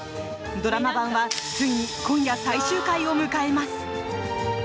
ドラマ版はついに今夜最終回を迎えます。